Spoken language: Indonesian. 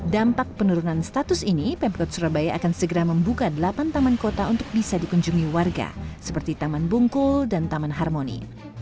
dampak penurunan status ini pemkot surabaya akan segera membuka delapan taman kota untuk bisa dikunjungi warga seperti taman bungkul dan taman harmoni